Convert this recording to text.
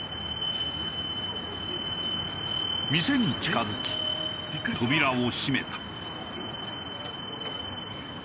店に近付き扉を閉めた。